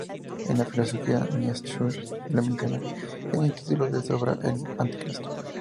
En la filosofía, Nietzsche lo menciona en el título de su obra "El Anticristo".